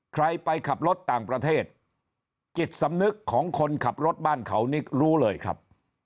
ใครไปขับรถต่างประเทศจิตสำนึกของคนขับรถบ้านเขานี่รู้เลยครับ